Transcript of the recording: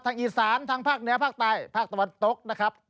อีสานทางภาคเหนือภาคใต้ภาคตะวันตกนะครับ